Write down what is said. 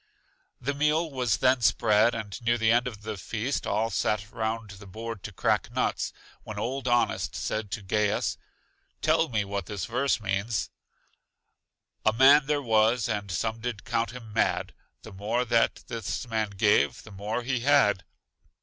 The meal was then spread, and near the end of the feast all sat round the board to crack nuts, when old Honest said to Gaius, Tell me what this verse means: A man there was, and some did count him mad; The more that this man gave the more he had.